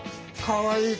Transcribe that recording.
かわいい。